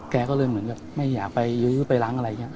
แกก็เลยเหมือนกับไม่อยากไปยื้อไปล้างอะไรอย่างนี้